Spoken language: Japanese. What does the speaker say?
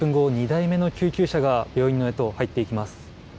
２台目の救急車が病院内へと入っていきます。